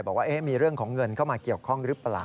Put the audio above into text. บอกว่ามีเรื่องของเงินเข้ามาเกี่ยวข้องหรือเปล่า